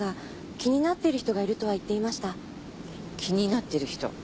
気になってる人。